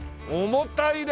重たいね！